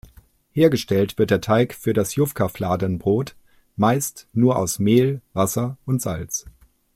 Hergestellt wird der Teig für das Yufka-Fladenbrot meist nur aus Mehl, Wasser und Salz.